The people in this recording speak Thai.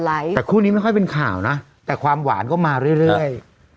แต่คู่นี้ไม่ค่อยเป็นข่าวนะแต่ความหวานก็มาเรื่อย